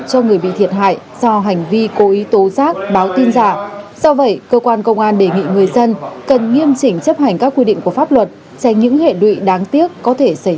do hành vi cố ý tố giác báo tin giả do vậy cơ quan công an đề nghị người dân cần nghiêm chỉnh chấp hành các quy định của pháp luật dành những hệ đuỵ đáng tiếc có thể xảy ra